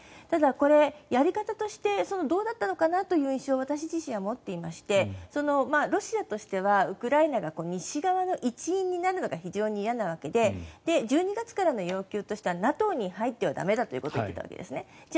ただこれ、やり方としてどうだったのかなという印象は私自身は持っていましてロシアとしてはウクライナが西側の一員になるのが非常に嫌なわけで１２月からの要求としてはＮＡＴＯに入っては駄目だということを言ってたんですね。